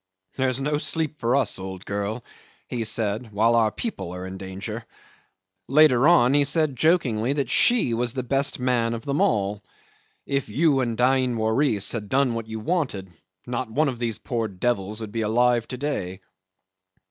"There's no sleep for us, old girl," he said, "while our people are in danger." Later on he said jokingly that she was the best man of them all. "If you and Dain Waris had done what you wanted, not one of these poor devils would be alive to day."